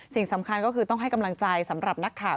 สิ่งสำคัญก็คือต้องให้กำลังใจสำหรับนักข่าว